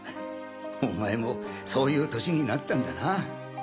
お前もそういう年になったんだなぁ。